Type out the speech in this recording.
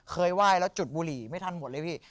ไหว้แล้วจุดบุหรี่ไม่ทันหมดเลยพี่